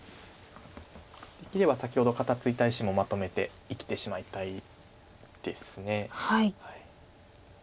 できれば先ほど肩ツイた石もまとめて生きてしまいたいです。